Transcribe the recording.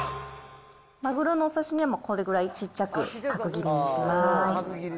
マグロのお刺身はこれぐらい小っちゃく角切りにします。